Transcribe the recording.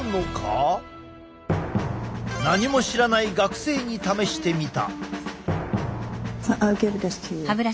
何も知らない学生に試してみた。